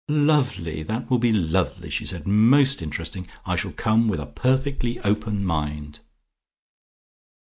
"Lovely! That will be lovely!" she said. "Most interesting! I shall come with a perfectly open mind."